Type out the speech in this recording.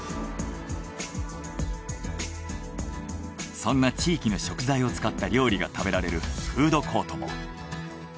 そんな地域の食材を使った料理が食べられるフードコートも。